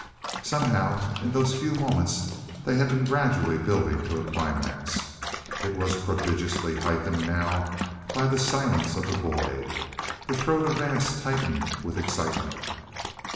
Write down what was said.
Somehow, in those few moments they had been gradually building to a climax. It was prodigiously heightened now by the silence of the boy. The throat of Vance tightened with excitement.